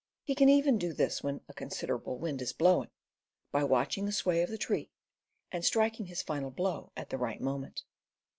He can even do this when a considerable wind is blowing, by watching the sway of the tree and striking his final blow at the right moment.